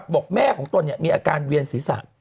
บอกแม่ของตนมีอาการเวียนศีรษะ